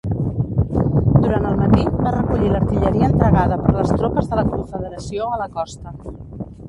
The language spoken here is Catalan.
Durant el matí va recollir l'artilleria entregada per les tropes de la Confederació a la costa.